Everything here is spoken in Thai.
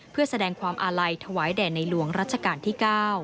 เพื่อแสดงความอาลัยถวายแด่ในหลวงรัชกาลที่๙